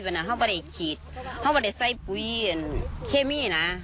แสดงเพื่อภูมิ